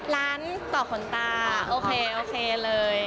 ร้านต่อขนตาโอเคโอเคเลย